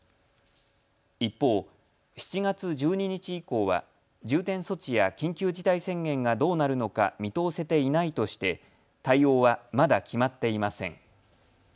一方、７月１２日以降は重点措置や緊急事態宣言がどうなるのか見通せていないとして対応はまだ決まっていません。